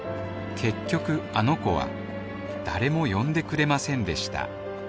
結局あの子は誰も呼んでくれませんでした